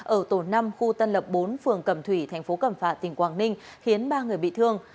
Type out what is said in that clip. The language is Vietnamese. ở tổ năm khu tân lập bốn phường cẩm thủy thành phố cẩm phạ tỉnh quảng ninh khiến ba người bị thương